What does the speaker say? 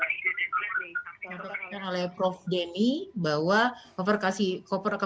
tadi juga sudah jelas disampaikan oleh prof deddy bahwa overcapacitas ini ada sebabnya